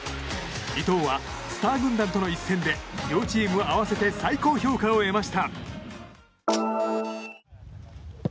伊東はスター軍団との一戦で両チーム合わせて最高評価を得ました。